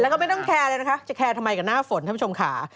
แล้วก็ไม่ต้องแคร์เลยนะคะจะแคร์ทำไมกับหน้าฝนท่านผู้ชมค่ะ